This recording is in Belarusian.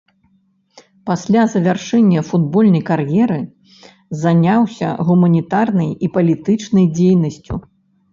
Пасля завяршэння футбольнай кар'еры заняўся гуманітарнай і палітычнай дзейнасцю.